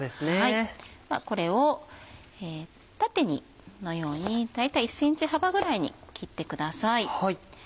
ではこれを縦にこのように大体１ｃｍ幅ぐらいに切ってください。